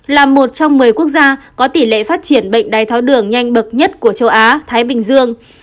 là một trong một mươi quốc gia có tỷ lệ phát triển bệnh đai tháo đường nhanh bậc nhất của châu á thái bình dương